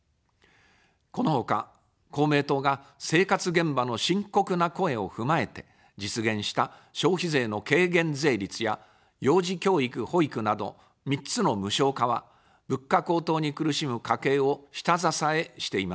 このほか、公明党が生活現場の深刻な声を踏まえて実現した消費税の軽減税率や幼児教育・保育など３つの無償化は、物価高騰に苦しむ家計を下支えしています。